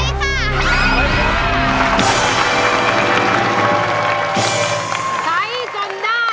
ใช้ค่ะ